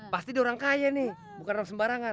pasti dia orang kaya nih bukan orang sembarangan